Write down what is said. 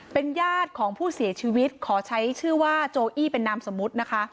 เป็นญาติของผู้เสียชีวิตขอใช้ชื่อว่าโจอี้เป็นนามสมมุตินะคะ